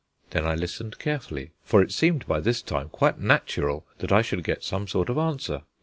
Then I listened carefully, for it seemed by this time quite natural that I should get some sort of answer.